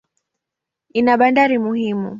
Ina bandari muhimu.